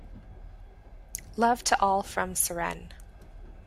Love to all from Seren.